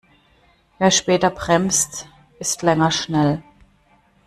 Wer später bremst, ist länger schnell.